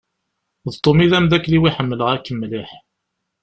D Tom i d amdakel-iw i ḥemmleɣ akk mliḥ.